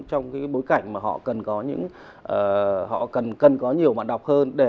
trong cái bối cảnh mà họ cần có nhiều mạng đọc hơn